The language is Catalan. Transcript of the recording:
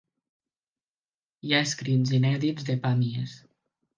Hi ha escrits inèdits de Pàmies.